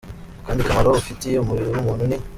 Akandi kamaro ufitiye umubiri w’umuntu ni:.